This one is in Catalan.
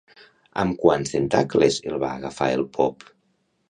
Amb quants tentacles el va agafar el pop?